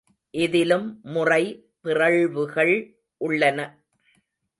இதிலும் முறை பிறழ்வுகள் உள்ளன!